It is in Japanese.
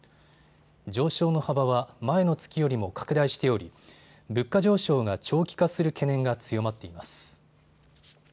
上昇の幅は前の月よりも拡大しており、物価上昇が長期化する懸念が強まっています。